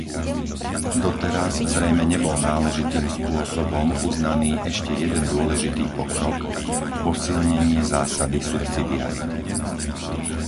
Doteraz zrejme nebol náležitým spôsobom uznaný ešte jeden dôležitý pokrok, posilnenie zásady subsidiarity.